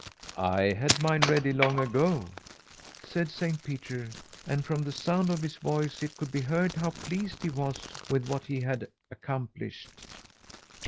'I had mine ready long ago,' said Saint Peter; and from the sound of his voice it could be heard how pleased he was with what he had accomplished.